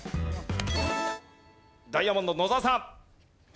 ダイヤモンド野澤さん。